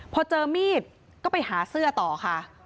พอเจอมีดก็ไปหาเสื้อต่อค่ะ